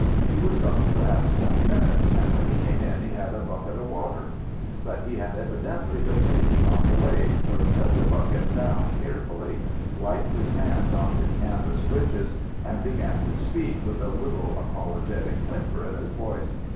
He was gone perhaps twenty minutes, and when he came in he had a bucket of water. But he had evidently been thinking on the way, for he set the bucket down carefully, wiped his hands on his canvas breeches, and began to speak, with a little apologetic whimper in his voice.